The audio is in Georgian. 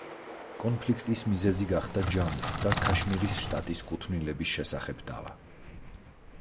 კონფლიქტის მიზეზი გახდა ჯამუ და ქაშმირის შტატის კუთვნილების შესახებ დავა.